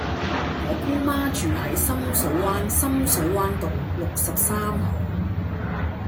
我姑媽住喺深水灣深水灣道六十三號